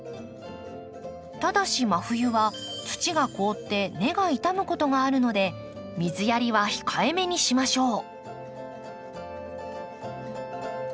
ただし真冬は土が凍って根が傷むことがあるので水やりは控えめにしましょう。